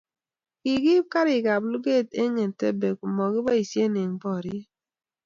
Kigiib garikab luget eng Entebbe komokiboisie eng boriet